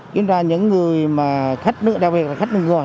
kiểm tra những người mà khách nước đặc biệt là khách nước ngoài